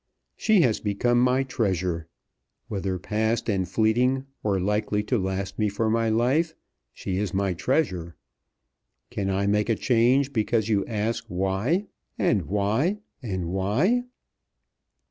She has become my treasure. Whether past and fleeting, or likely to last me for my life, she is my treasure. Can I make a change because you ask why, and why, and why?